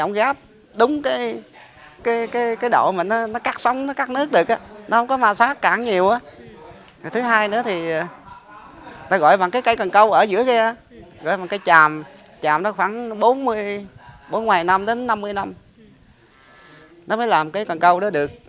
nó mới làm cái càng câu đó được